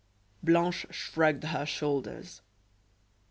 Blanche shrugged her shoulders.